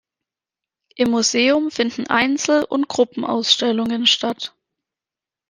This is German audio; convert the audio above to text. Im Museum finden Einzel- und Gruppenausstellungen statt.